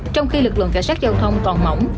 trong khi lực lượng cảnh sát giao thông còn mỏng